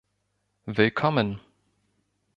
Willkommen.